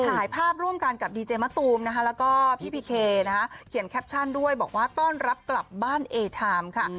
ถ่ายภาพร่วมกันกับดีเจมะตูมนะคะแล้วก็พี่พีเคนะคะเขียนแคปชั่นด้วยบอกว่าต้อนรับกลับบ้านเอไทม์ค่ะ